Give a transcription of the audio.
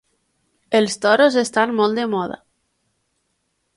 Els toros estan molt de moda.